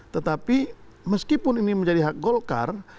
tetapi meskipun ini menjadi hak golkar